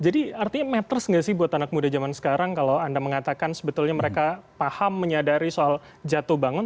jadi artinya matters gak sih buat anak muda zaman sekarang kalau anda mengatakan sebetulnya mereka paham menyadari soal jatuh bangun